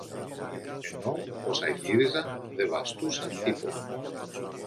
ενώ όσα γύριζαν δε βαστούσαν τίποτα.